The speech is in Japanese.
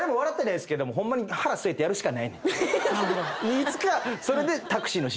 いつかそれで。